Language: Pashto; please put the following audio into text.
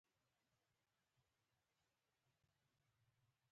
په بدخشان، تخار، بلخ او هرات کې اعتراضي غږونه دي.